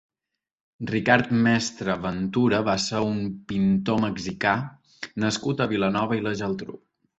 Ricard Mestre Ventura va ser un pintor mexicà nascut a Vilanova i la Geltrú.